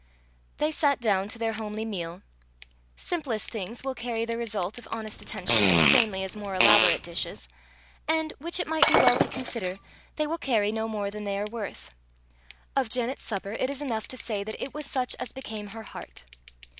They sat down to their homely meal. Simplest things will carry the result of honest attention as plainly as more elaborate dishes; and, which it might be well to consider, they will carry no more than they are worth: of Janet's supper it is enough to say that it was such as became her heart.